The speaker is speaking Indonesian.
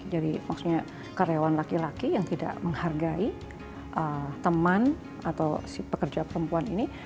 jadi maksudnya karyawan laki laki yang tidak menghargai teman atau si pekerja perempuan ini